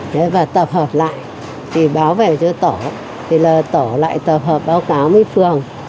thế và tập hợp lại thì báo về cho tổ thì là tổ lại tập hợp báo cáo với phường